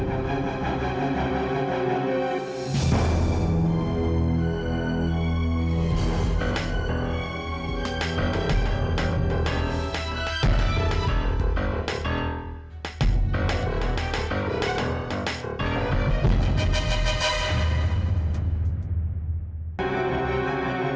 saya tidak setuju